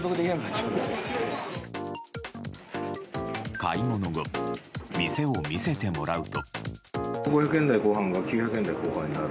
買い物後店を見せてもらうと。